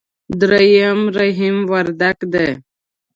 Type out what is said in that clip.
درېم رحيم وردګ دی.